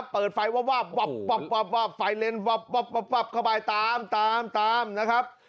เปิดไฟวับไฟเล็นเข้าไปตามนะครับ